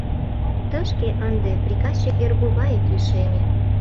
Тышке ынде приказчик Эргуваев лишеме.